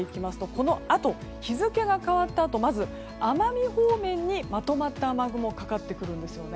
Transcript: このあと、日付が変わったあとまず、奄美方面にまとまった雨雲かかってきます。